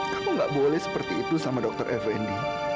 kamu gak boleh seperti itu sama dokter effendi